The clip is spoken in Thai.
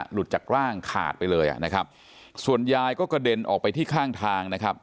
หลุดจากร่างขาดไปเลยอ่ะนะครับส่วนยายก็กระเด็นออกไปที่ข้างทางนะครับ